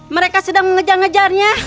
mereka sedang mengejar ngejarnya